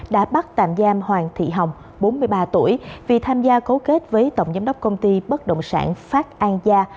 đã bắt tạm giam hoàng thị hồng bốn mươi ba tuổi vì tham gia cấu kết với tổng giám đốc công ty bất động sản phát an gia